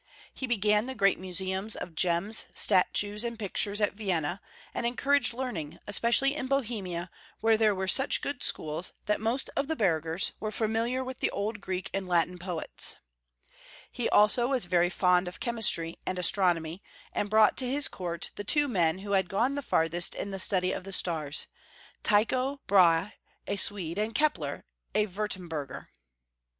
He began the great museum of gems, statues, and pictures at Vienna, and encouraged learning, especially in Bohemia, where there were such good schools that most of the burghers were familiar with the old Greek and Latin poets. He also was very fond of chemistry and astronomy, 313 814 Young FolW History of Q ermany. and brought to his court the two men who had gone the farthest in the study of the stars, Tyclio Brahe, a Swede, and Kepler, a Wurtemburgher.